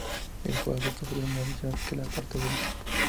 El jugador sufrió una lesión que le apartó del equipo.